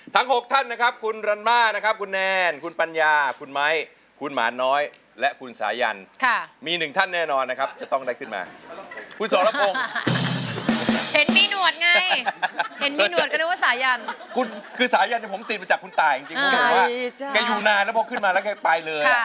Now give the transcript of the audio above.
ทั้ง๖ท่านนะครับคุณรั้นแม่คุณแนนคุณปัญญาคุณไมค์คุณหมาน้อยและคุณสายัญ